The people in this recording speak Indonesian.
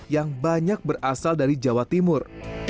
yang banyak berasal dari jawa timur